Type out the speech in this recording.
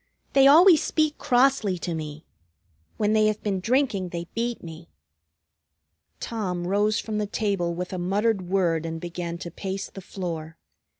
"They always speak crossly to me. When they have been drinking they beat me." Tom rose from the table with a muttered word and began to pace the floor.